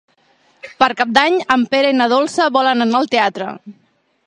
Per Cap d'Any en Pere i na Dolça volen anar al teatre.